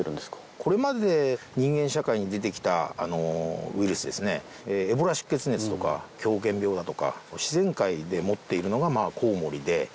これまで人間社会に出てきたウイルスですね、エボラ出血熱とか、狂犬病だとか、自然界で持っているのがコウモリで。